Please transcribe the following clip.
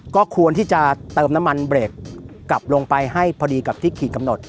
ก็ควรที่จะเติมน้ำมันเบรกกลับลงไปให้พอดีกับที่ขีดกำหนด